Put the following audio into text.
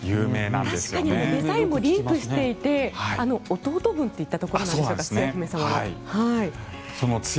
確かにデザインもリンクしていて弟分といったところなんでしょうか。